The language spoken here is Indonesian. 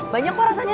banyak kok rasanya